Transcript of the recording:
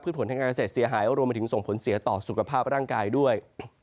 ผลทางการเกษตรเสียหายรวมไปถึงส่งผลเสียต่อสุขภาพร่างกายด้วย